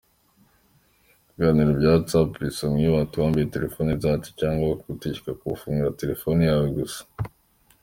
Ibiganiro bya Whatsapp bisomwa iyo batwambuye phone zacu cyangwa bakagutegeka kubafungurira telephone yawe gusa.